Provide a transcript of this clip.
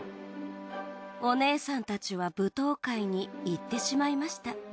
お姉さんたちは舞踏会に行ってしまいました。